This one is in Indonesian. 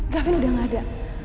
gavin udah gak ada